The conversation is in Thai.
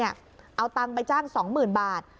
เอาตังค์ไปจ้าง๒๐๐๐บาท